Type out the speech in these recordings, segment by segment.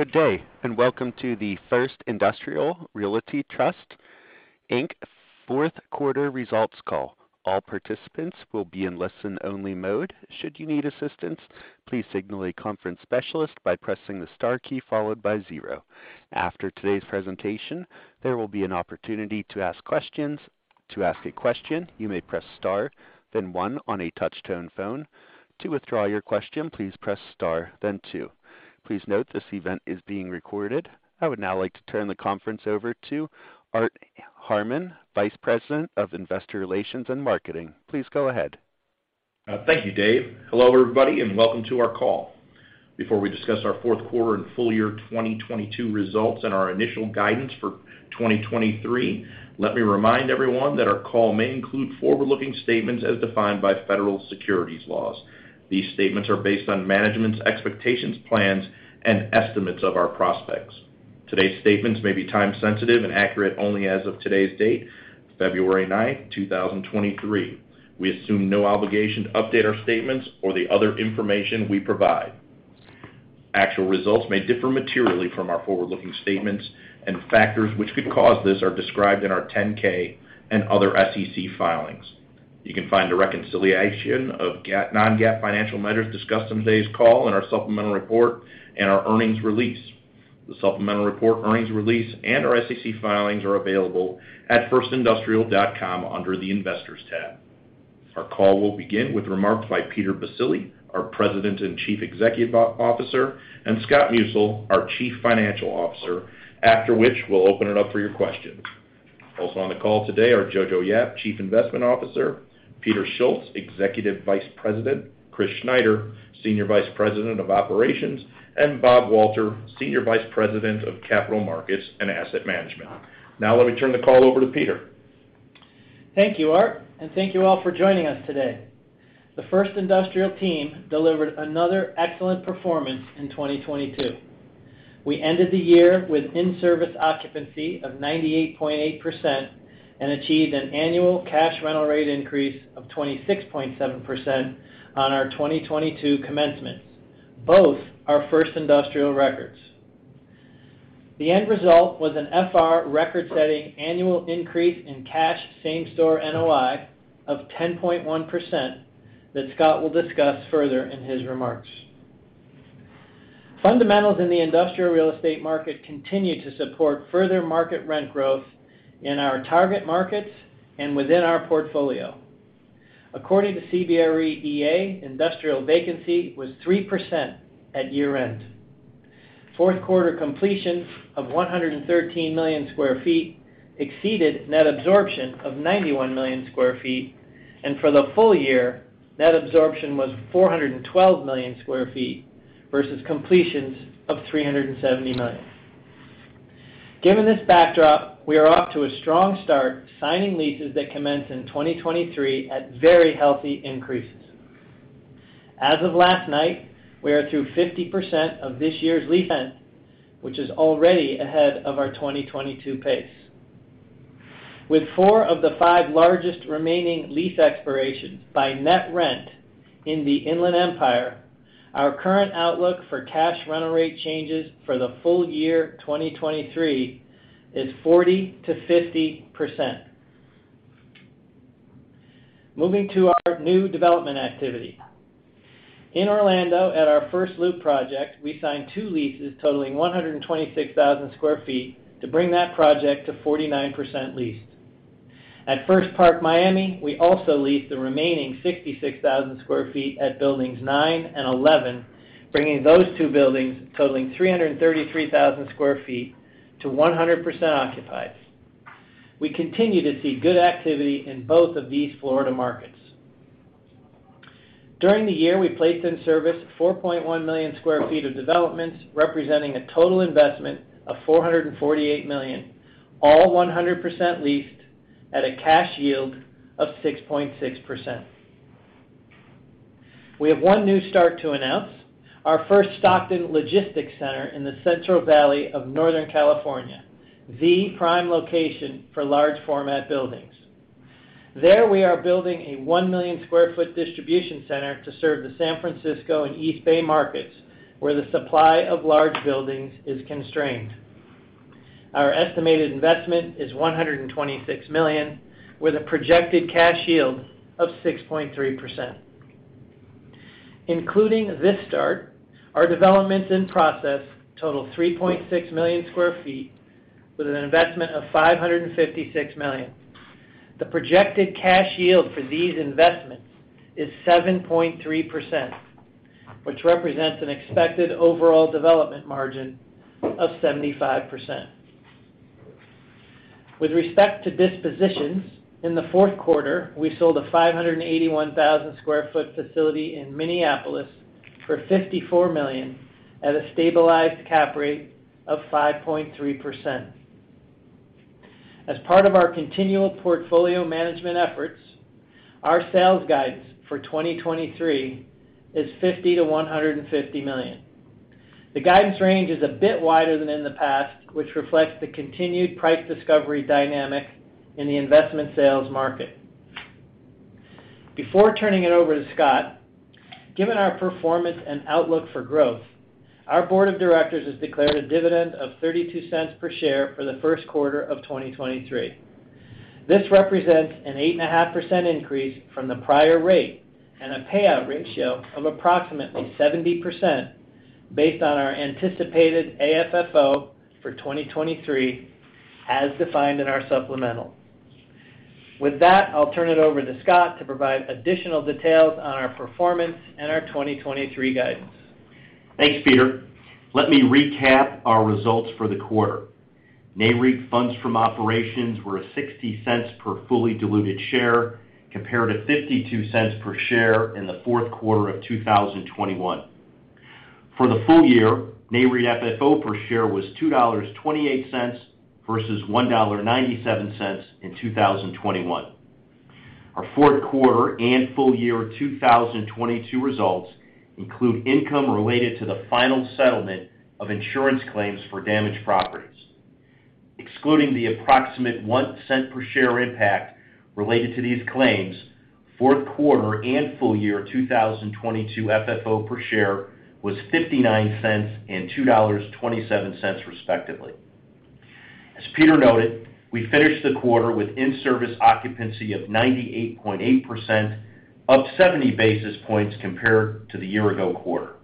Good day, welcome to the First Industrial Realty Trust, Inc. fourth quarter results call. All participants will be in listen-only mode. Should you need assistance, please signal a conference specialist by pressing the star key followed by zero. After today's presentation, there will be an opportunity to ask questions. To ask a question, you may press star, then one on a touch-tone phone. To withdraw your question, please press star, then two. Please note this event is being recorded. I would now like to turn the conference over to Art Harmon, Vice President of Investor Relations and Marketing. Please go ahead. Thank you, Dave. Hello, everybody, and welcome to our call. Before we discuss our fourth quarter and full year 2022 results and our initial guidance for 2023, let me remind everyone that our call may include forward-looking statements as defined by federal securities laws. These statements are based on management's expectations, plans, and estimates of our prospects. Today's statements may be time-sensitive and accurate only as of today's date, February ninth, 2023. We assume no obligation to update our statements or the other information we provide. Actual results may differ materially from our forward-looking statements, and factors which could cause this are described in our 10-K and other SEC filings. You can find a reconciliation of GAAP non-GAAP financial measures discussed on today's call in our supplemental report and our earnings release. The supplemental report, earnings release, and our SEC filings are available at firstindustrial.com under the Investors tab. Our call will begin with remarks by Peter Baccile, our President and Chief Executive Officer, and Scott Musil, our Chief Financial Officer. After which, we'll open it up for your questions. Also on the call today are Johannson Yap, Chief Investment Officer, Peter Schultz, Executive Vice President, Chris Schneider, Senior Vice President of Operations, and Bob Walter, Senior Vice President of Capital Markets and Asset Management. Now let me turn the call over to Peter. Thank you, Art. Thank you all for joining us today. The First Industrial team delivered another excellent performance in 2022. We ended the year with in-service occupancy of 98.8% and achieved an annual cash rental rate increase of 26.7% on our 2022 commencements, both our First Industrial records. The end result was an FR record-setting annual increase in cash same store NOI of 10.1% that Scott will discuss further in his remarks. Fundamentals in the industrial real estate market continue to support further market rent growth in our target markets and within our portfolio. According to CBRE EA, industrial vacancy was 3% at year-end. Fourth quarter completion of 113 million sq ft exceeded net absorption of 91 million sq ft. For the full year, net absorption was 412 million sq ft versus completions of 370 million. Given this backdrop, we are off to a strong start signing leases that commence in 2023 at very healthy increases. As of last night, we are through 50% of this year's lease end, which is already ahead of our 2022 pace. With four of the five largest remaining lease expirations by net rent in the Inland Empire, our current outlook for cash rental rate changes for the full year 2023 is 40%-50%. Moving to our new development activity. In Orlando, at our First Loop project, we signed two leases totaling 126,000 sq ft to bring that project to 49% leased. At First Park Miami, we also leased the remaining 66,000 sq ft at buildings nine and 11, bringing those two buildings totaling 333,000 sq ft to 100% occupied. We continue to see good activity in both of these Florida markets. During the year, we placed in service 4.1 million sq ft of developments, representing a total investment of $448 million, all 100% leased at a cash yield of 6.6%. We have 1 new start to announce, our First Stockton Logistics Center in the Central Valley of Northern California, the prime location for large format buildings. There, we are building a 1 million sq ft distribution center to serve the San Francisco and East Bay markets, where the supply of large buildings is constrained. Our estimated investment is $126 million, with a projected cash yield of 6.3%. Including this start, our developments in process total 3.6 million sq ft with an investment of $556 million. The projected cash yield for these investments is 7.3%, which represents an expected overall development margin of 75%. With respect to dispositions, in the fourth quarter, we sold a 581,000 sq ft facility in Minneapolis for $54 million at a stabilized cap rate of 5.3%. As part of our continual portfolio management efforts, our sales guidance for 2023 is $50 million-$150 million. The guidance range is a bit wider than in the past, which reflects the continued price discovery dynamic in the investment sales market. Before turning it over to Scott, given our performance and outlook for growth, our board of directors has declared a dividend of $0.32 per share for the 1st quarter of 2023. This represents an 8.5% increase from the prior rate and a payout ratio of approximately 70% based on our anticipated AFFO for 2023, as defined in our supplemental. With that, I'll turn it over to Scott to provide additional details on our performance and our 2023 guidance. Thanks, Peter. Let me recap our results for the quarter. NAREIT funds from operations were $0.60 per fully diluted share, compared to $0.52 per share in the fourth quarter of 2021. For the full year, NAREIT FFO per share was $2.28 versus $1.97 in 2021. Our fourth quarter and full year 2022 results include income related to the final settlement of insurance claims for damaged properties. Excluding the approximate $0.01 per share impact related to these claims, fourth quarter and full year 2022 FFO per share was $0.59 and $2.27, respectively. As Peter noted, we finished the quarter with in-service occupancy of 98.8%, up 70 basis points compared to the year ago quarter.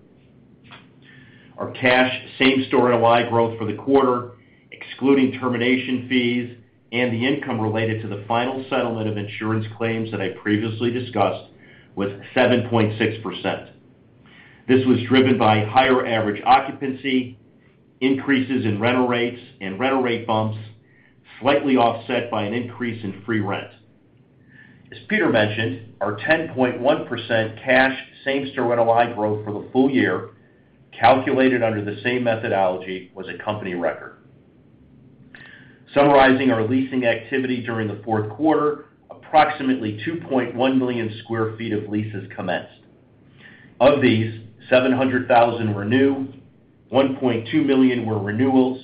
Our cash same-store NOI growth for the quarter, excluding termination fees and the income related to the final settlement of insurance claims that I previously discussed, was 7.6%. This was driven by higher average occupancy, increases in rental rates and rental rate bumps, slightly offset by an increase in free rent. As Peter mentioned, our 10.1% cash same-store NOI growth for the full year, calculated under the same methodology, was a company record. Summarizing our leasing activity during the fourth quarter, approximately 2.1 million square feet of leases commenced. Of these, 700,000 were new, 1.2 million were renewals,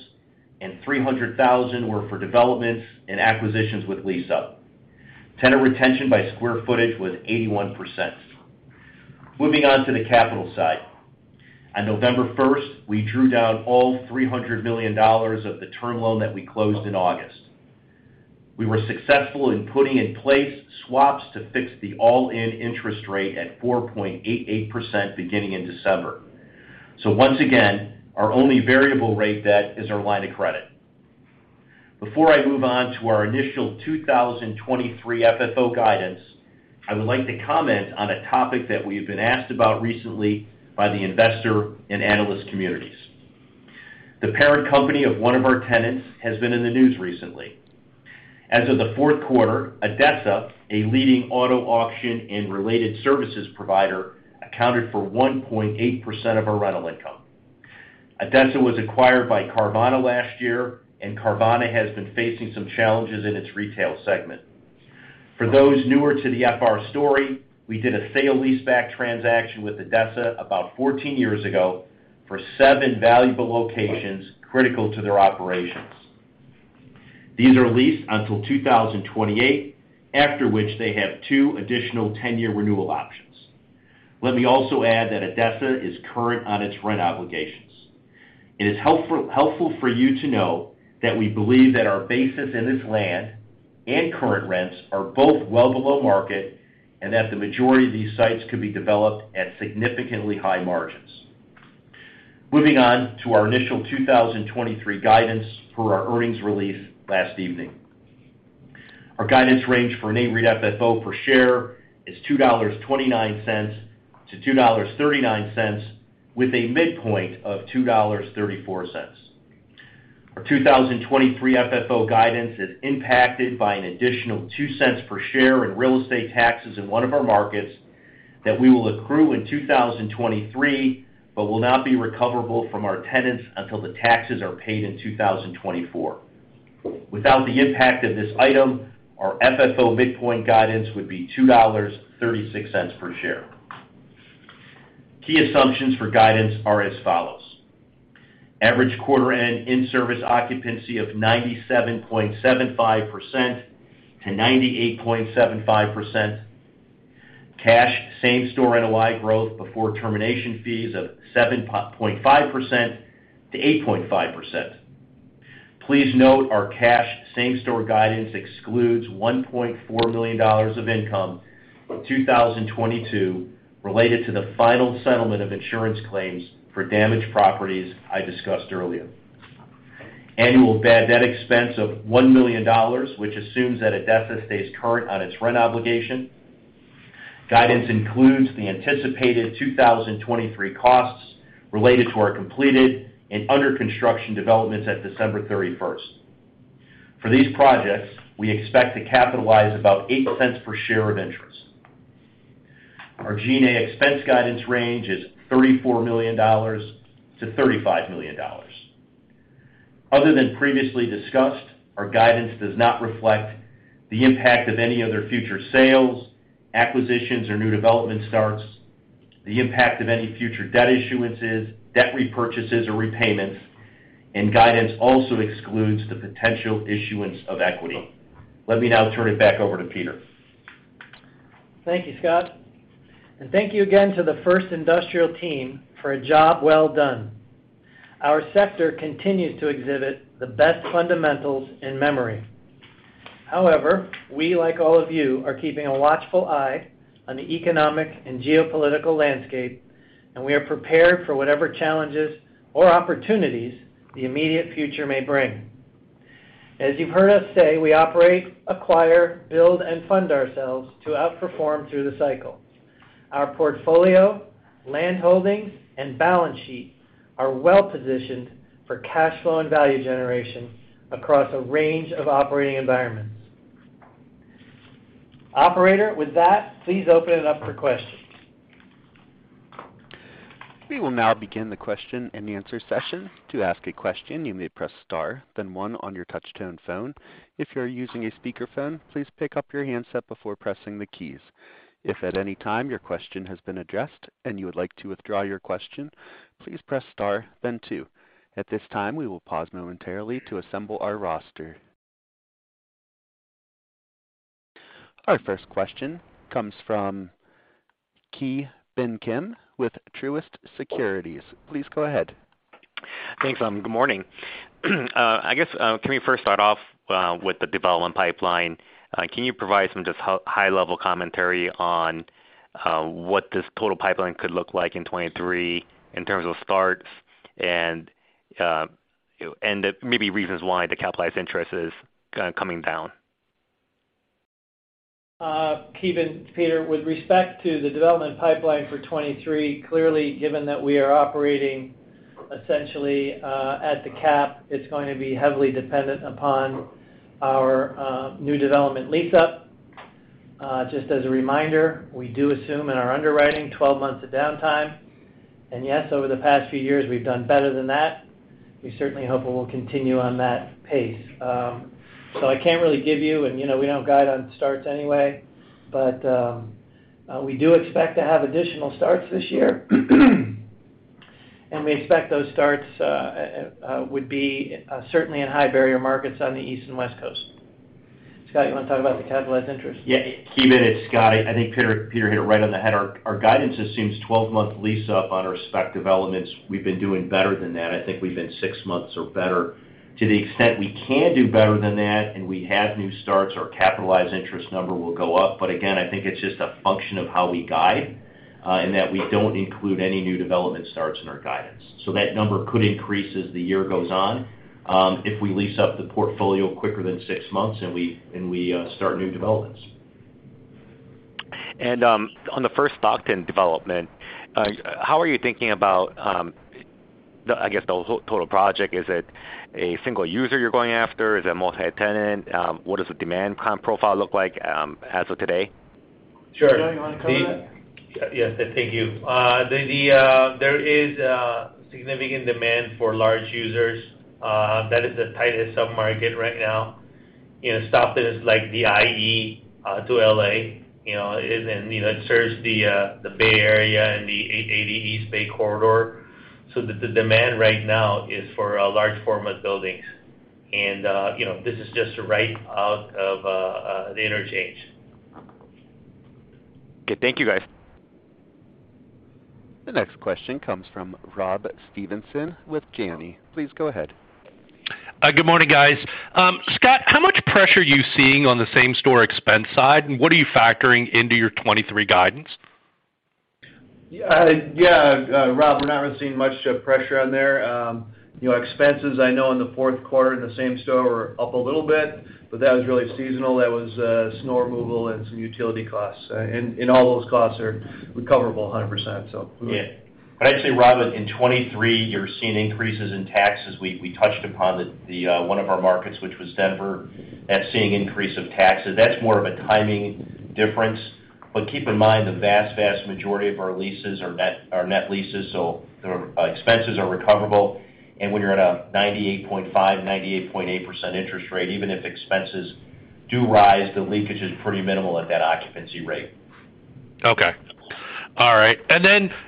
and 300,000 were for developments and acquisitions with lease up. Tenant retention by square footage was 81%. Moving on to the capital side. On November 1st, we drew down all $300 million of the term loan that we closed in August. We were successful in putting in place swaps to fix the all-in interest rate at 4.88% beginning in December. Once again, our only variable rate debt is our line of credit. Before I move on to our initial 2023 FFO guidance, I would like to comment on a topic that we have been asked about recently by the investor and analyst communities. The parent company of one of our tenants has been in the news recently. As of the fourth quarter, ADESA, a leading auto auction and related services provider, accounted for 1.8% of our rental income. ADESA was acquired by Carvana last year, and Carvana has been facing some challenges in its retail segment. For those newer to the FR story, we did a sale leaseback transaction with ADESA about 14 years ago for seven valuable locations critical to their operations. These are leased until 2028, after which they have two additional 10-year renewal options. Let me also add that ADESA is current on its rent obligations. It is helpful for you to know that we believe that our basis in this land and current rents are both well below market and that the majority of these sites could be developed at significantly high margins. Moving on to our initial 2023 guidance per our earnings release last evening. Our guidance range for NAREIT FFO per share is $2.29-$2.39, with a midpoint of $2.34. Our 2023 FFO guidance is impacted by an additional $0.02 per share in real estate taxes in one of our markets that we will accrue in 2023, but will not be recoverable from our tenants until the taxes are paid in 2024. Without the impact of this item, our FFO midpoint guidance would be $2.36 per share. Key assumptions for guidance are as follows: Average quarter end in-service occupancy of 97.75%-98.75%. Cash same-store NOI growth before termination fees of 7.5%-8.5%. Please note our cash same-store guidance excludes $1.4 million of income from 2022 related to the final settlement of insurance claims for damaged properties I discussed earlier. Annual bad debt expense of $1 million, which assumes that ADESA stays current on its rent obligation. Guidance includes the anticipated 2023 costs related to our completed and under construction developments at December 31st. For these projects, we expect to capitalize about $0.08 per share of interest. Our G&A expense guidance range is $34 million-$35 million. Other than previously discussed, our guidance does not reflect the impact of any other future sales, acquisitions, or new development starts, the impact of any future debt issuances, debt repurchases, or repayments. Guidance also excludes the potential issuance of equity. Let me now turn it back over to Peter. Thank you, Scott, and thank you again to the First Industrial team for a job well done. Our sector continues to exhibit the best fundamentals in memory. However, we, like all of you, are keeping a watchful eye on the economic and geopolitical landscape, and we are prepared for whatever challenges or opportunities the immediate future may bring. As you've heard us say, we operate, acquire, build, and fund ourselves to outperform through the cycle. Our portfolio, land holdings, and balance sheet are well-positioned for cash flow and value generation across a range of operating environments. Operator, with that, please open it up for questions. We will now begin the question-and-answer session. To ask a question, you may press star, then one on your touch-tone phone. If you are using a speaker phone, please pick up your handset before pressing the keys. If at any time your question has been addressed and you would like to withdraw your question, please press star, then two. At this time, we will pause momentarily to assemble our roster. Our first question comes from Ki Bin Kim with Truist Securities. Please go ahead. Thanks. Good morning. I guess, can we first start off with the development pipeline? Can you provide some just high-level commentary on what this total pipeline could look like in 2023 in terms of starts and maybe reasons why the capitalized interest is coming down? Ki Bin, it's Peter. With respect to the development pipeline for 2023, clearly given that we are operating essentially, at the cap, it's going to be heavily dependent upon our new development lease up. Just as a reminder, we do assume in our underwriting 12 months of downtime. Yes, over the past few years, we've done better than that. We certainly hope it will continue on that pace. So I can't really give you, and, you know, we don't guide on starts anyway. But we do expect to have additional starts this year. We expect those starts would be certainly in high barrier markets on the East and West Coast. Scott, you want to talk about the capitalized interest? Yeah. Ki Bin, it's Scott. I think Peter hit it right on the head. Our guidance assumes 12-month lease up on our respective elements. We've been doing better than that. I think we've been six months or better. To the extent we can do better than that and we have new starts, our capitalized interest number will go up. Again, I think it's just a function of how we guide, and that we don't include any new development starts in our guidance. That number could increase as the year goes on, if we lease up the portfolio quicker than 6 months and we start new developments. On the First Stockton development, how are you thinking about the total project? Is it a single user you're going after? Is it multi-tenant? What does the demand kind of profile look like, as of today? Sure. Joe, you want to comment on that? Yes. Thank you. There is significant demand for large users, that is the tightest sub-market right now. You know, Stockton is like the I.E. to L.A., you know, and it serves the Bay Area and the I-880 East Bay corridor. The demand right now is for large format buildings. You know, this is just right out of the interchange. Okay. Thank you, guys. The next question comes from Rob Stevenson with Janney. Please go ahead. Good morning, guys. Scott, how much pressure are you seeing on the same store expense side, and what are you factoring into your 2023 guidance? Yeah. Rob, we're not really seeing much pressure on there. You know, expenses, I know in the fourth quarter in the same store were up a little bit, but that was really seasonal. That was snow removal and some utility costs. All those costs are recoverable 100%. Yeah. Actually, Rob, in 2023, you're seeing increases in taxes. We touched upon one of our markets, which was Denver, that's seeing increase of taxes. That's more of a timing difference. Keep in mind, the vast majority of our leases are net leases, so their expenses are recoverable. When you're at a 98.5%, 98.8% interest rate, even if expenses do rise, the leakage is pretty minimal at that occupancy rate. Okay. All right.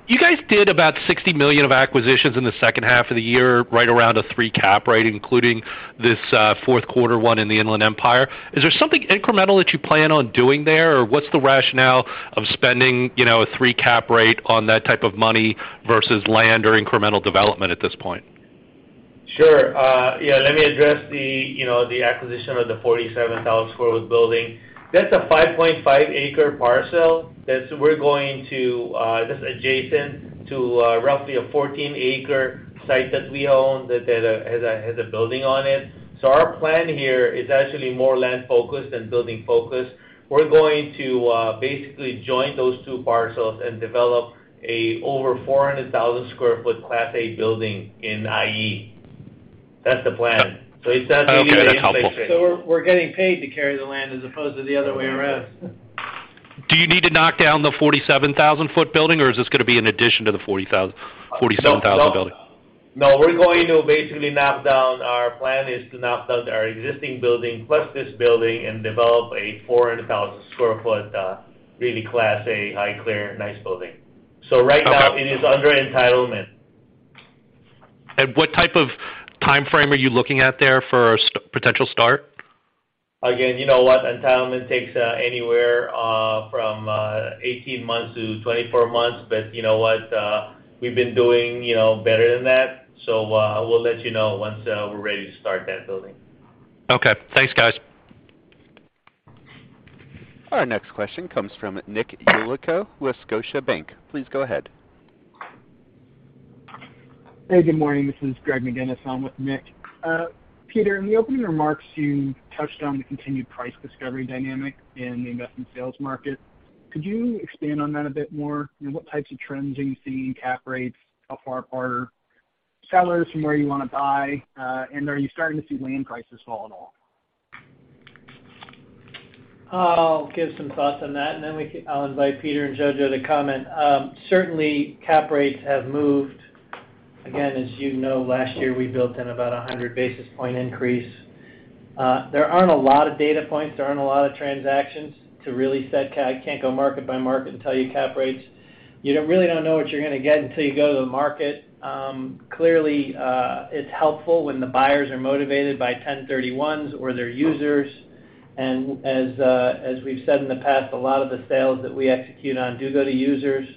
You guys did about $60 million of acquisitions in the second half of the year, right around a three cap rate, including this, fourth quarter one in the Inland Empire. Is there something incremental that you plan on doing there, or what's the rationale of spending, you know, a three cap rate on that type of money versus land or incremental development at this point? Yeah. Let me address the, you know, the acquisition of the 47,000 sq ft building. That's a 5.5 acre parcel that we're going to, that's adjacent to roughly a 14 acre site that we own that has a building on it. Our plan here is actually more land-focused than building-focused. We're going to basically join those two parcels and develop a over 400,000 sq ft Class A building in I.E. That's the plan. It's not. Okay. That's helpful. We're getting paid to carry the land as opposed to the other way around. Do you need to knock down the 47,000 foot building, or is this gonna be an addition to the 47,000 building? No, we're going to basically to knock down our existing building plus this building and develop a 400,000 sq ft, really class A, high clear, nice building. Right now it is under entitlement. what type of timeframe are you looking at there for potential start? You know what, entitlement takes anywhere from 18 months-24 months. You know what? We've been doing, you know, better than that. We'll let you know once we're ready to start that building. Okay. Thanks, guys. Our next question comes from Nick Yulico with Scotiabank. Please go ahead. Hey, good morning. This is Greg McGinniss. I'm with Nick. Peter, in the opening remarks, you touched on the continued price discovery dynamic in the investment sales market. Could you expand on that a bit more? You know, what types of trends are you seeing in cap rates? How far apart are sellers from where you wanna buy? Are you starting to see land prices fall at all? I'll give some thoughts on that, then I'll invite Peter and Jojo to comment. Certainly cap rates have moved. Again, as you know, last year we built in about a 100 basis point increase. There aren't a lot of data points, there aren't a lot of transactions to really set I can't go market by market and tell you cap rates. You really don't know what you're gonna get until you go to the market. Clearly, it's helpful when the buyers are motivated by 1031s or they're users. As, as we've said in the past, a lot of the sales that we execute on do go to users.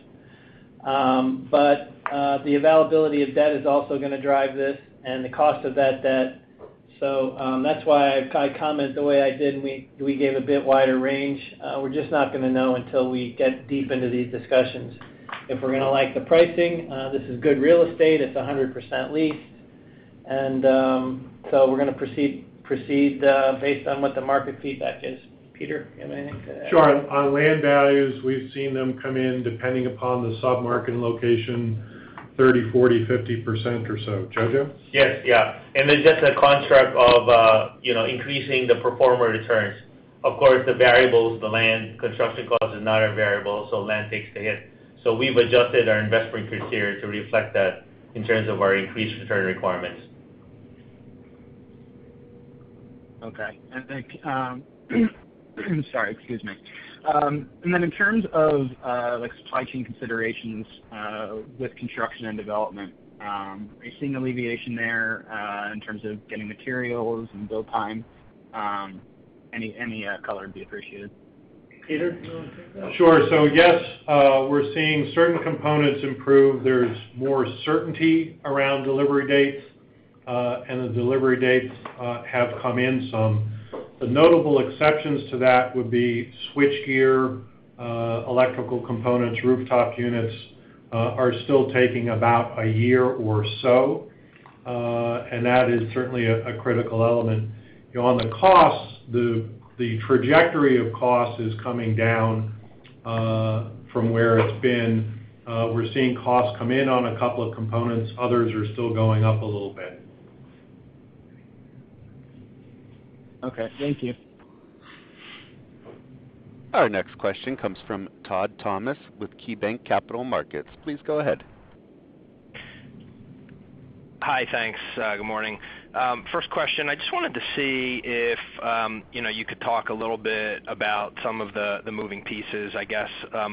The availability of debt is also gonna drive this and the cost of that debt. That's why I comment the way I did, and we gave a bit wider range. We're just not gonna know until we get deep into these discussions. If we're gonna like the pricing, this is good real estate, it's 100% leased. We're gonna proceed based on what the market feedback is. Peter, you have anything to add? Sure. On land values, we've seen them come in, depending upon the sub-market and location, 30%, 40%, 50% or so. Jojo? Yes. Yeah. It's just a construct of, you know, increasing the pro forma returns. Of course, the variables, the land, construction cost is not a variable, so land takes the hit. We've adjusted our investment criteria to reflect that in terms of our increased return requirements. Okay. Sorry, excuse me. Then in terms of, like, supply chain considerations, with construction and development, are you seeing alleviation there, in terms of getting materials and build time? Any color would be appreciated. Peter, do you wanna take that? Sure. Yes, we're seeing certain components improve. There's more certainty around delivery dates, and the delivery dates have come in some. The notable exceptions to that would be switchgear, electrical components, rooftop units, are still taking about a year or so, and that is certainly a critical element. On the costs, the trajectory of cost is coming down from where it's been. We're seeing costs come in on a couple of components. Others are still going up a little bit. Okay. Thank you. Our next question comes from Todd Thomas with KeyBanc Capital Markets. Please go ahead. Hi. Thanks. Good morning. First question, I just wanted to see if, you know, you could talk a little bit about some of the moving pieces, I guess.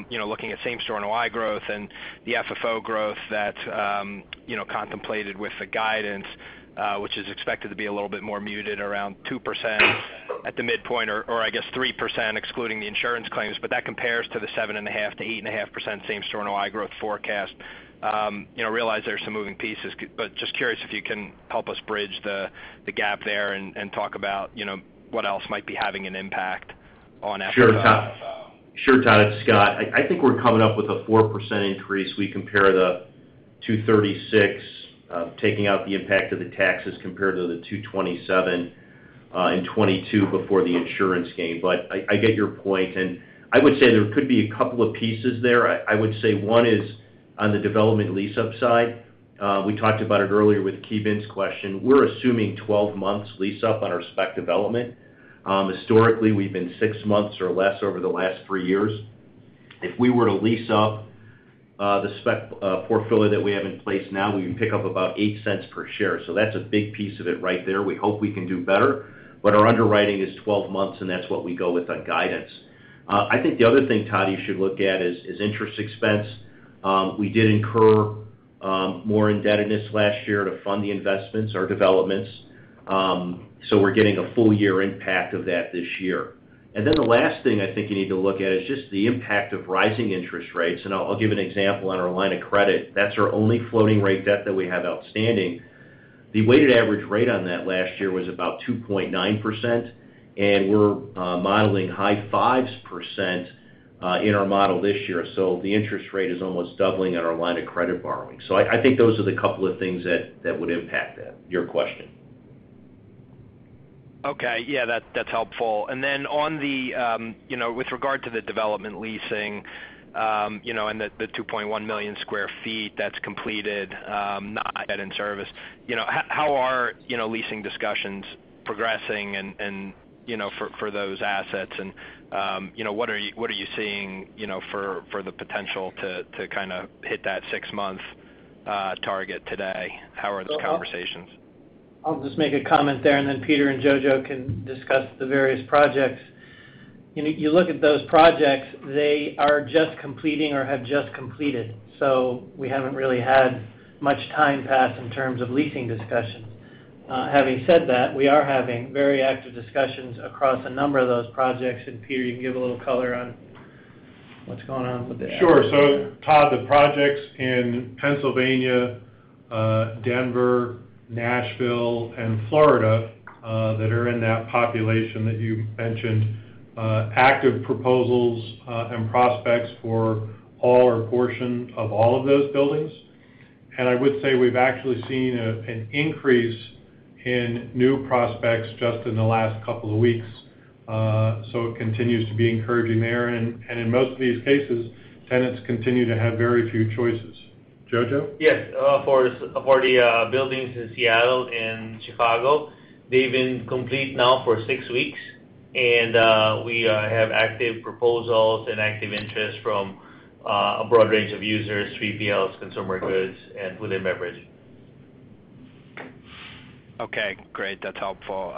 You know, looking at same-store NOI growth and the FFO growth that, you know, contemplated with the guidance, which is expected to be a little bit more muted around 2% at the midpoint or I guess 3% excluding the insurance claims. That compares to the 7.5%-8.5% same-store NOI growth forecast. You know, realize there's some moving pieces, but just curious if you can help us bridge the gap there and talk about, you know, what else might be having an impact on FFO? Sure, Todd. It's Scott. I think we're coming up with a 4% increase. We compare the $2.36, taking out the impact of the taxes compared to the $2.27 in 2022 before the insurance gain. I get your point, and I would say there could be a couple of pieces there. I would say one is on the development lease-up side. We talked about it earlier with Ki Bin's question. We're assuming 12 months lease-up on our spec development. Historically, we've been six months or less over the last three years. If we were to lease up the spec portfolio that we have in place now, we would pick up about $0.08 per share. That's a big piece of it right there. We hope we can do better, but our underwriting is 12 months, and that's what we go with on guidance. I think the other thing, Todd, you should look at is interest expense. We did incur more indebtedness last year to fund the investments or developments. We're getting a full year impact of that this year. The last thing I think you need to look at is just the impact of rising interest rates. I'll give an example on our line of credit. That's our only floating rate debt that we have outstanding. The weighted average rate on that last year was about 2.9%, and we're modeling high 5s% in our model this year. The interest rate is almost doubling on our line of credit borrowing. I think those are the couple of things that would impact that, your question. Okay. Yeah. That's helpful. Then on the, you know, with regard to the development leasing, you know, and the 2.1 million sq ft that's completed, not yet in service, you know, how are, you know, leasing discussions progressing and, you know, for those assets. What are you seeing, you know, for the potential to kind of hit that six month target today? How are those conversations? I'll just make a comment there, and then Peter and Jojo can discuss the various projects. You know, you look at those projects, they are just completing or have just completed. We haven't really had much time passed in terms of leasing discussions. Having said that, we are having very active discussions across a number of those projects. Peter, you can give a little color on what's going on with the. Sure. Todd, the projects in Pennsylvania, Denver, Nashville, and Florida, that are in that population that you mentioned, active proposals, and prospects for all or portion of all of those buildings. I would say we've actually seen an increase in new prospects just in the last couple of weeks. It continues to be encouraging there. In most of these cases, tenants continue to have very few choices. Jojo? For the buildings in Seattle and Chicago, they've been complete now for six weeks. We have active proposals and active interest from a broad range of users, 3PLs, consumer goods, and within beverage. Okay. Great. That's helpful.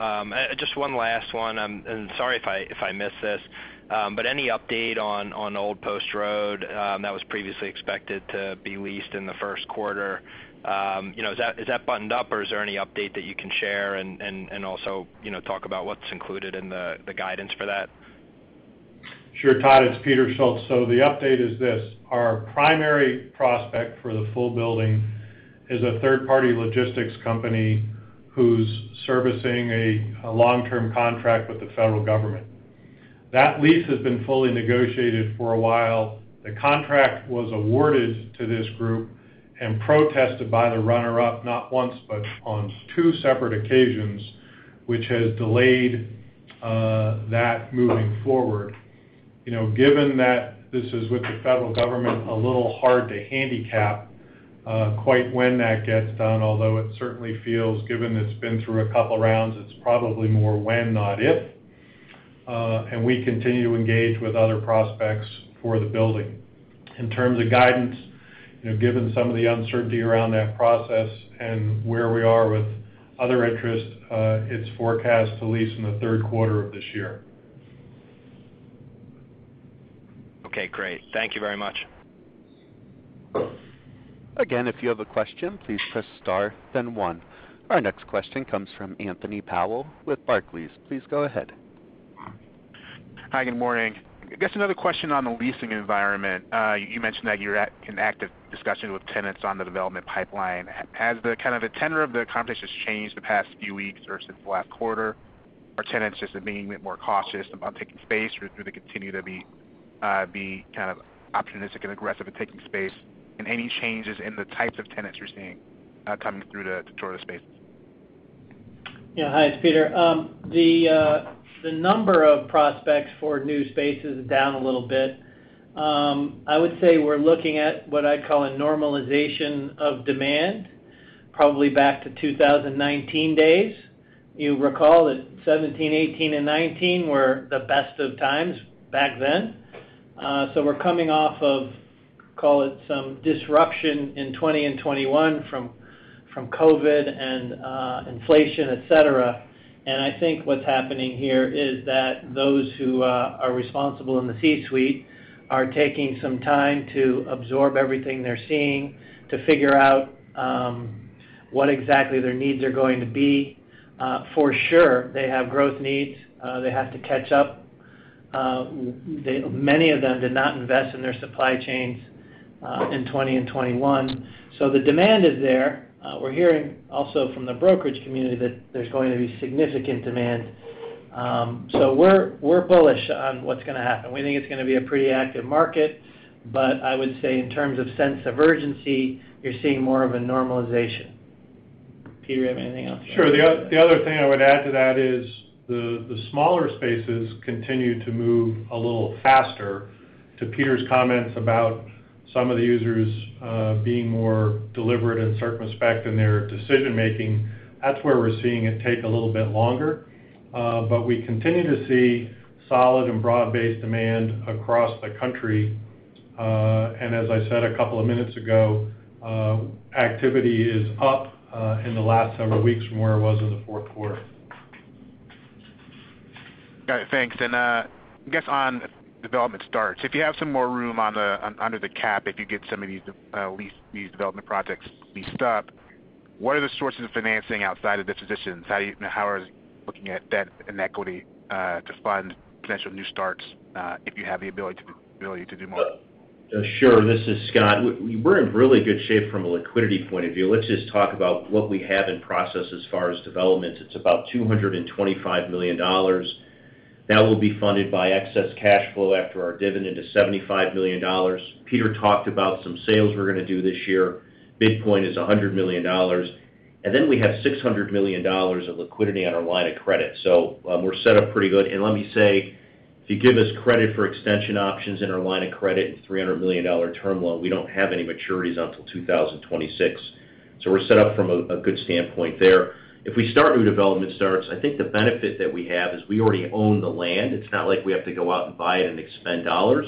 Just one last one, and sorry if I, if I missed this. Any update on Old Post Road, that was previously expected to be leased in the first quarter? You know, is that, is that buttoned up, or is there any update that you can share and also, you know, talk about what's included in the guidance for that? Sure, Todd, it's Peter Schultz. The update is this: our primary prospect for the full building is a third-party logistics company who's servicing a long-term contract with the federal government. That lease has been fully negotiated for a while. The contract was awarded to this group and protested by the runner-up, not once, but on two separate occasions, which has delayed that moving forward. You know, given that this is with the federal government, a little hard to handicap quite when that gets done, although it certainly feels, given it's been through a couple rounds, it's probably more when, not if. We continue to engage with other prospects for the building. In terms of guidance, you know, given some of the uncertainty around that process and where we are with other interests, it's forecast to lease in the third quarter of this year. Okay, great. Thank you very much. Again, if you have a question, please press star then one. Our next question comes from Anthony Powell with Barclays. Please go ahead. Hi, good morning. I guess another question on the leasing environment. You mentioned that you're in active discussions with tenants on the development pipeline. Has the kind of the tenor of the conversations changed the past few weeks or since last quarter? Are tenants just being a bit more cautious about taking space, or do they continue to be kind of optimistic and aggressive in taking space? Any changes in the types of tenants you're seeing coming through the door of spaces? Yeah. Hi, it's Peter. The number of prospects for new space is down a little bit. I would say we're looking at what I call a normalization of demand, probably back to 2019 days. You recall that 2017, 2018, and 2019 were the best of times back then. We're coming off of, call it, some disruption in 2020 and 2021 from COVID and inflation, et cetera. I think what's happening here is that those who are responsible in the C-suite are taking some time to absorb everything they're seeing, to figure out what exactly their needs are going to be. For sure, they have growth needs. They have to catch up. Many of them did not invest in their supply chains in 2020 and 2021. The demand is there. We're hearing also from the brokerage community that there's going to be significant demand. We're bullish on what's gonna happen. We think it's gonna be a pretty active market. I would say in terms of sense of urgency, you're seeing more of a normalization. Peter, you have anything else you wanna add? Sure. The other thing I would add to that is the smaller spaces continue to move a little faster. To Peter's comments about some of the users, being more deliberate in certain respect in their decision-making, that's where we're seeing it take a little bit longer. We continue to see solid and broad-based demand across the country. As I said a couple of minutes ago, activity is up in the last several weeks from where it was in the fourth quarter. Got it. Thanks. I guess on development starts. If you have some more room under the cap, if you get some of these development projects leased up, what are the sources of financing outside of dispositions? How are you looking at debt and equity to fund potential new starts, if you have the ability to do more? Sure. This is Scott. We're in really good shape from a liquidity point of view. Let's just talk about what we have in process as far as development. It's about $225 million. That will be funded by excess cash flow after our dividend is $75 million. Peter talked about some sales we're gonna do this year. Big point is $100 million. Then we have $600 million of liquidity on our line of credit. We're set up pretty good. Let me say If you give us credit for extension options in our line of credit and $300 million term loan, we don't have any maturities until 2026. We're set up from a good standpoint there. If we start new development starts, I think the benefit that we have is we already own the land. It's not like we have to go out and buy it and expend dollars.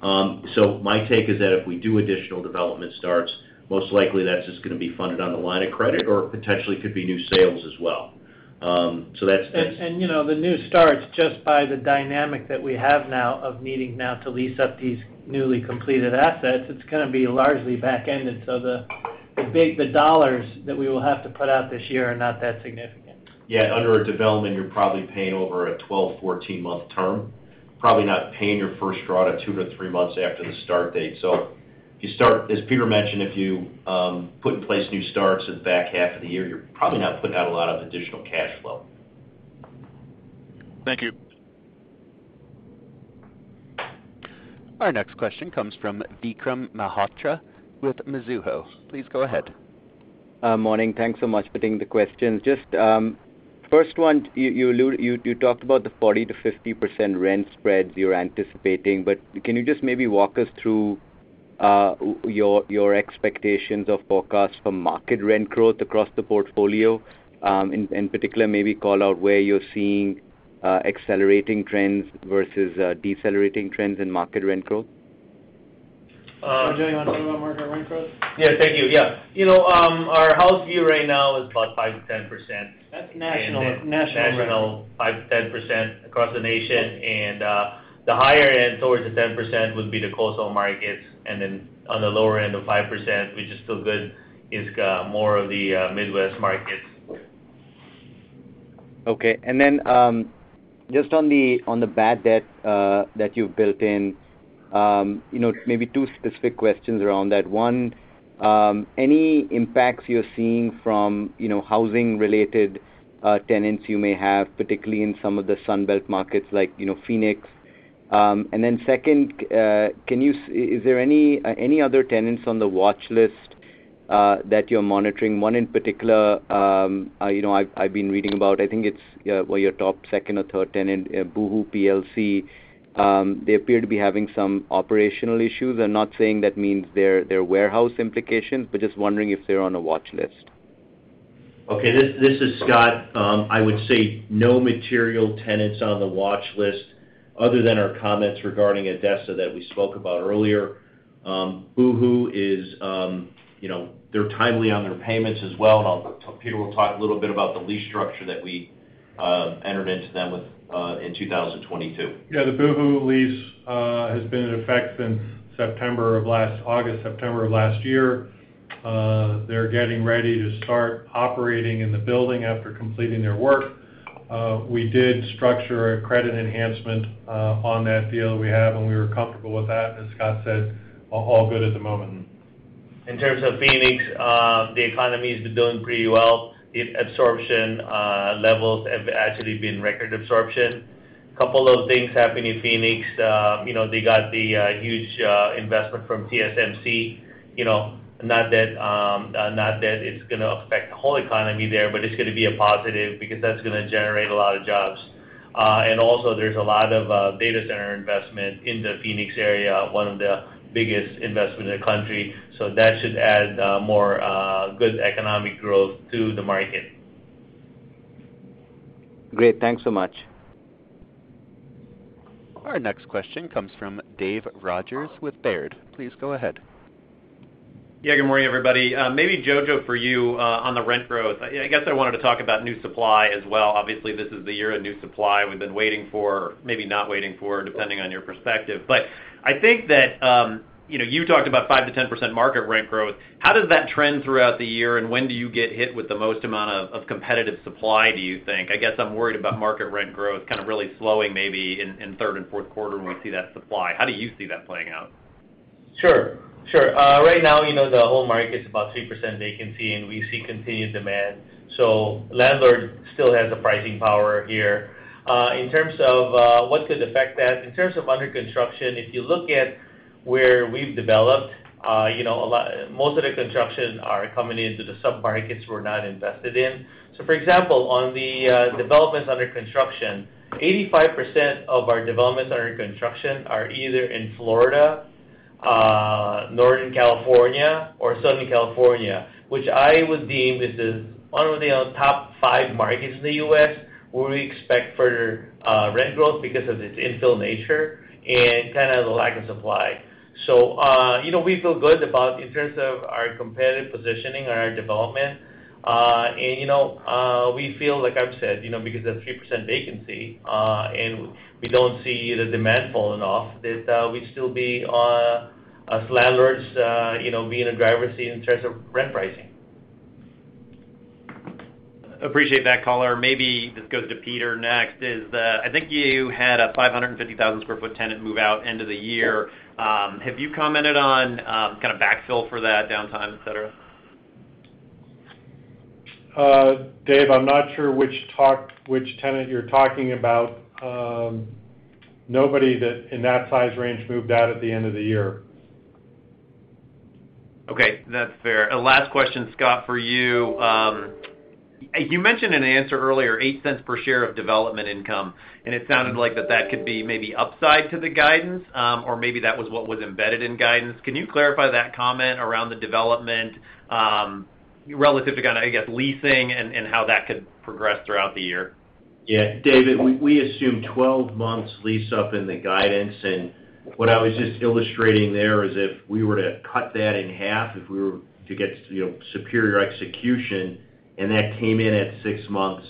My take is that if we do additional development starts, most likely that's just gonna be funded on the line of credit or potentially could be new sales as well. You know, the new starts just by the dynamic that we have now of needing now to lease up these newly completed assets, it's gonna be largely back-ended. The dollars that we will have to put out this year are not that significant. Yeah. Under a development, you're probably paying over a 12-14-month term. Probably not paying your first draw till 2-3 months after the start date. If you start... As Peter mentioned, if you put in place new starts in the back half of the year, you're probably not putting out a lot of additional cash flow. Thank you. Our next question comes from Vikram Malhotra with Mizuho. Please go ahead. Morning. Thanks so much for taking the questions. Just, first one, you talked about the 40% to 50% rent spreads you're anticipating. Can you just maybe walk us through your expectations of forecast for market rent growth across the portfolio, in particular, maybe call out where you're seeing accelerating trends versus decelerating trends in market rent growth? Joe, do you wanna talk about market rent growth? Yeah. Thank you. Yeah. You know, our house view right now is about 5%-10%. That's national rent. National, 5%-10% across the nation. The higher end towards the 10% would be the coastal markets. On the lower end of 5%, we just feel good, it's more of the Midwest markets. Just on the, on the bad debt that you've built in, you know, maybe two specific questions around that. One, any impacts you're seeing from, you know, housing-related tenants you may have, particularly in some of the Sun Belt markets like, you know, Phoenix. Second, is there any other tenants on the watchlist that you're monitoring? One in particular, you know, I've been reading about, I think it's one of your top second or third tenant, Boohoo PLC. They appear to be having some operational issues. I'm not saying that means they're warehouse implications, but just wondering if they're on a watchlist. This is Scott. I would say no material tenants on the watchlist other than our comments regarding ADESA that we spoke about earlier. Boohoo is, you know, they're timely on their payments as well. Peter will talk a little bit about the lease structure that we entered into them with in 2022. Yeah, the Boohoo lease has been in effect since August, September of last year. They're getting ready to start operating in the building after completing their work. We did structure a credit enhancement on that deal that we have, and we were comfortable with that. As Scott said, all good at the moment. In terms of Phoenix, the economy's been doing pretty well. The absorption levels have actually been record absorption. Couple of things happening in Phoenix. You know, they got the huge investment from TSMC. You know, not that, not that it's gonna affect the whole economy there, but it's gonna be a positive because that's gonna generate a lot of jobs. Also there's a lot of data center investment in the Phoenix area, one of the biggest investments in the country. That should add more good economic growth to the market. Great. Thanks so much. Our next question comes from Dave Rodgers with Baird. Please go ahead. Yeah. Good morning, everybody. Maybe Jojo, for you, on the rent growth. I guess I wanted to talk about new supply as well. Obviously, this is the year of new supply we've been waiting for, maybe not waiting for, depending on your perspective. I think that, you know, you talked about 5%-10% market rent growth. How does that trend throughout the year, and when do you get hit with the most amount of competitive supply, do you think? I guess I'm worried about market rent growth kind of really slowing maybe in third and fourth quarter when we see that supply. How do you see that playing out? Sure. Sure. right now, you know, the whole market's about 3% vacancy, and we see continued demand. Landlord still has the pricing power here. in terms of what could affect that, in terms of under construction, if you look at where we've developed, you know, most of the construction are coming into the sub-markets we're not invested in. For example, on the developments under construction, 85% of our developments under construction are either in Florida, Northern California, or Southern California, which I would deem is the one of the top 5 markets in the U.S., where we expect further rent growth because of its infill nature and kinda the lack of supply. You know, we feel good about in terms of our competitive positioning and our development. You know, we feel, like I've said, you know, because of 3% vacancy, and we don't see the demand falling off, that we'd still be, as landlords, you know, be in the driver's seat in terms of rent pricing. Appreciate that color. Maybe this goes to Peter next, is that I think you had a 550,000 square foot tenant move out end of the year. Have you commented on kind of backfill for that downtime, et cetera? Dave, I'm not sure which tenant you're talking about? Nobody that in that size range moved out at the end of the year. Okay, that's fair. Last question, Scott, for you. You mentioned an answer earlier, $0.08 per share of development income, and it sounded like that could be maybe upside to the guidance, or maybe that was what was embedded in guidance. Can you clarify that comment around the development, relative to kinda, I guess, leasing and how that could progress throughout the year? Yeah. David, we assume 12 months lease up in the guidance. What I was just illustrating there is if we were to cut that in half, if we were to get you know, superior execution and that came in at 6 months,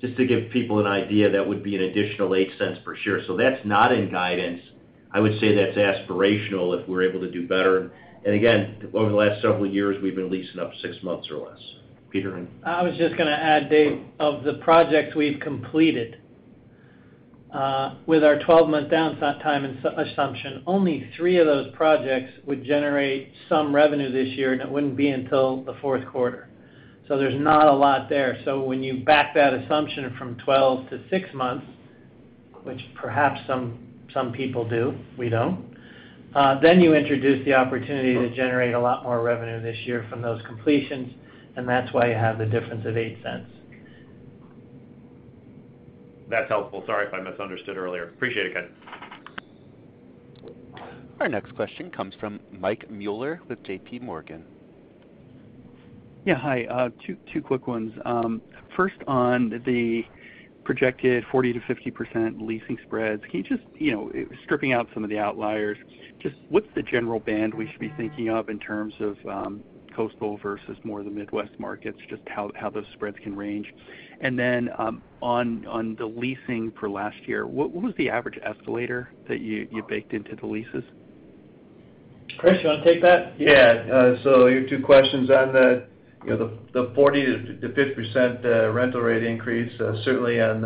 just to give people an idea, that would be an additional $0.08 per share. That's not in guidance. I would say that's aspirational if we're able to do better. Again, over the last several years, we've been leasing up 6 months or less. Peter. I was just gonna add, Dave, of the projects we've completed, with our 12-month down time assumption, only 3 of those projects would generate some revenue this year, and it wouldn't be until the fourth quarter. There's not a lot there. When you back that assumption from 12 to 6 months, which perhaps some people do, we don't, then you introduce the opportunity to generate a lot more revenue this year from those completions, and that's why you have the difference of $0.08. That's helpful. Sorry if I misunderstood earlier. Appreciate it, guys. Our next question comes from Mike Mueller with J.P. Morgan. Yeah, hi. Two quick ones. First on the projected 40%-50% leasing spreads. Can you just, you know, stripping out some of the outliers, just what's the general band we should be thinking of in terms of, coastal versus more of the Midwest markets, just how those spreads can range? Then, on the leasing for last year, what was the average escalator that you baked into the leases? Chris, you wanna take that? Yeah. Your two questions on the, you know, the 40%-50% rental rate increase, certainly on,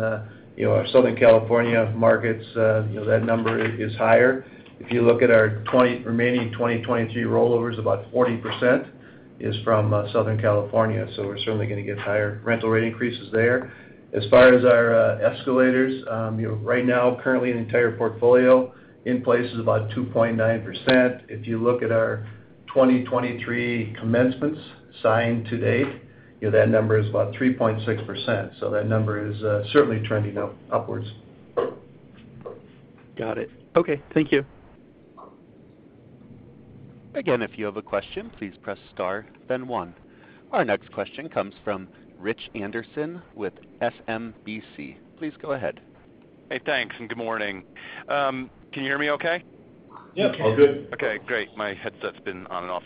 you know, our Southern California markets, you know, that number is higher. If you look at our remaining 2023 rollovers, about 40% is from Southern California, so we're certainly gonna get higher rental rate increases there. As far as our escalators, you know, right now, currently in the entire portfolio, in place is about 2.9%. If you look at our 2023 commencements signed to date, you know, that number is about 3.6%, That number is certainly trending upwards. Got it. Okay, thank you. If you have a question, please press star then one. Our next question comes from Rich Anderson with SMBC. Please go ahead. Hey, thanks, good morning. Can you hear me okay? Yep. All good. Okay, great. My headset's been on and off.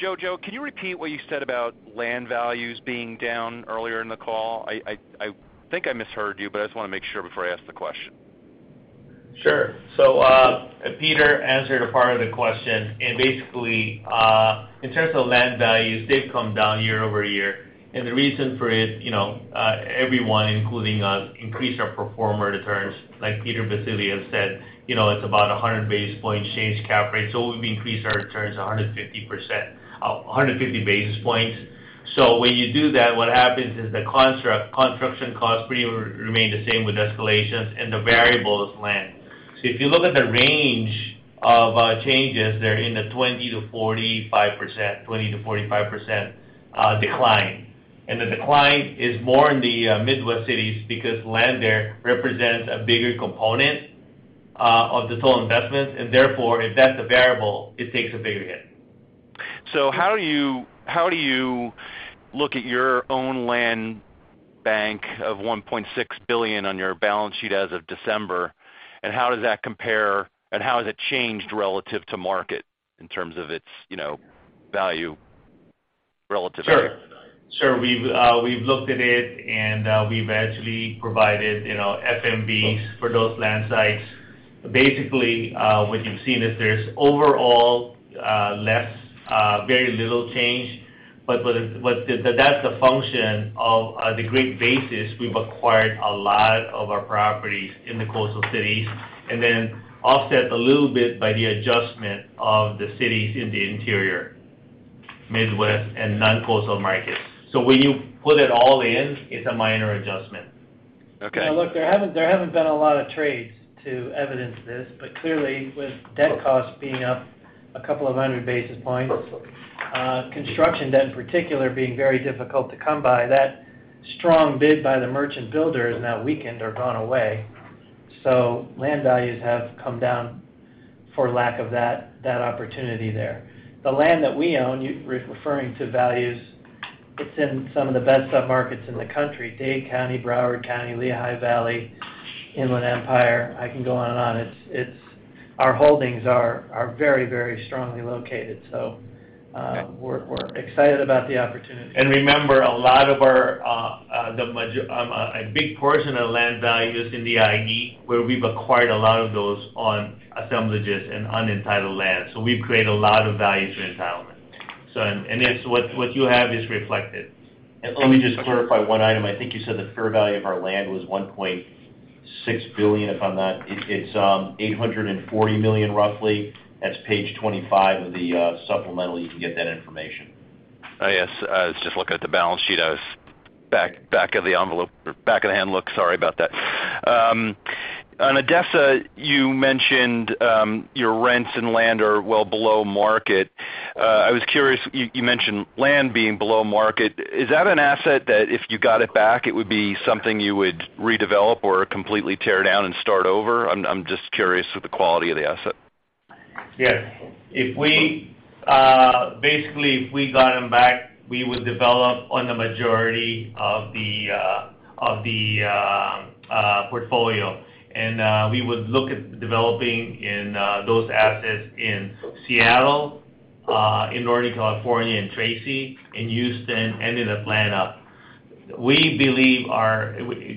Jojo, can you repeat what you said about land values being down earlier in the call? I think I misheard you, but I just wanna make sure before I ask the question. Sure. Peter answered a part of the question. Basically, in terms of land values, they've come down year-over-year. The reason for it, you know, everyone, including us, increased our pro forma returns. Like Peter Baccile said, you know, it's about 100 basis points change cap rate. We've increased our returns 150 basis points. When you do that, what happens is the construction costs pretty remain the same with escalations and the variable is land. If you look at the range of changes, they're in the 20%-45% decline. The decline is more in the Midwest cities because land there represents a bigger component of the total investment. Therefore, if that's a variable, it takes a bigger hit. How do you look at your own land bank of $1.6 billion on your balance sheet as of December? How has it changed relative to market in terms of its, you know, value relatively? Sure. Sure. We've looked at it. We've actually provided, you know, FMVs for those land sites. Basically, what you've seen is there's overall, less, very little change. That's a function of the great basis. We've acquired a lot of our properties in the coastal cities and then offset a little bit by the adjustment of the cities in the interior, Midwest, and non-coastal markets. When you put it all in, it's a minor adjustment. Okay. Now, look, there haven't been a lot of trades to evidence this. Clearly, with debt costs being up a couple of hundred basis points, construction debt in particular being very difficult to come by, that strong bid by the merchant builders now weakened or gone away. Land values have come down for lack of that opportunity there. The land that we own, you're referring to values, it's in some of the best submarkets in the country, Dade County, Broward County, Lehigh Valley, Inland Empire. I can go on and on. It's. Our holdings are very, very strongly located, so we're excited about the opportunity. Remember, a lot of our, a big portion of the land value is in the IE, where we've acquired a lot of those on assemblages and unentitled land. We've created a lot of value through entitlement. It's what you have is reflected. Let me just clarify one item. I think you said the fair value of our land was $1.6 billion, if I'm not... It's $840 million roughly. That's page 25 of the supplemental. You can get that information. I guess I was just looking at the balance sheet. I was back of the envelope or back of the hand look. Sorry about that. On ADESA, you mentioned your rents and land are well below market. I was curious, you mentioned land being below market. Is that an asset that if you got it back, it would be something you would redevelop or completely tear down and start over? I'm just curious with the quality of the asset. Yeah. If we, basically, if we got them back, we would develop on the majority of the portfolio. We would look at developing in those assets in Seattle, in Northern California and Tracy, in Houston, and in Atlanta. We believe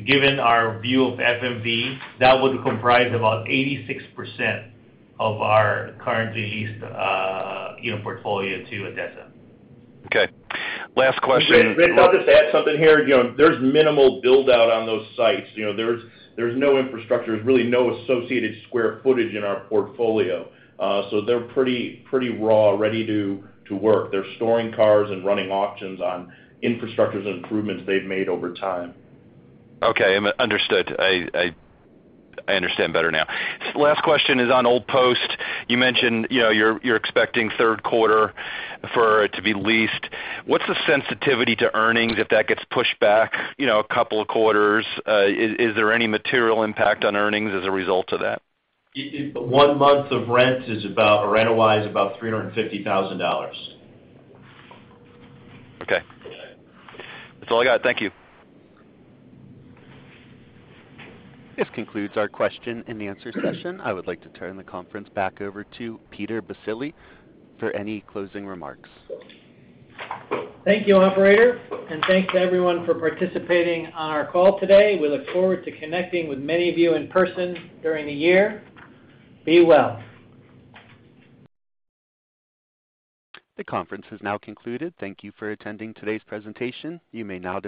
Given our view of FMV, that would comprise about 86% of our currently leased, you know, portfolio to ADESA. Okay. Last question- Ben, can I just add something here? You know, there's minimal build-out on those sites. You know, there's no infrastructure. There's really no associated square footage in our portfolio. They're pretty raw, ready to work. They're storing cars and running auctions on infrastructures and improvements they've made over time. Understood. I understand better now. Last question is on Old Post. You mentioned, you're expecting third quarter for it to be leased. What's the sensitivity to earnings if that gets pushed back, a couple of quarters? Is there any material impact on earnings as a result of that? One month of rent is about, or rental wise, about $350,000. Okay. That's all I got. Thank you. This concludes our question and answer session. I would like to turn the conference back over to Peter Baccile for any closing remarks. Thank you, operator. Thanks everyone for participating on our call today. We look forward to connecting with many of you in person during the year. Be well. The conference has now concluded. Thank you for attending today's presentation. You may now disconnect.